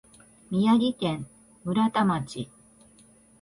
宮城県村田町